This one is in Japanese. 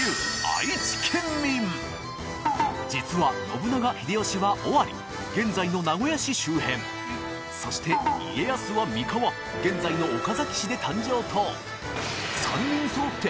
愛知県民実は信長・秀吉は尾張現在の名古屋市周辺そして家康は三河現在の岡崎市で誕生と３人揃って